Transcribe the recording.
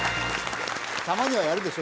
たまにはやるでしょ？